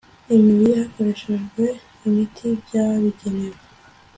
imibiri hakoreshejwe imiti byabigenewe